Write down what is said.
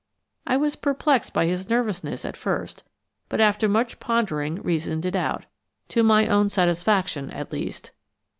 I was perplexed by his nervousness at first, but after much pondering reasoned it out, to my own satisfaction at least.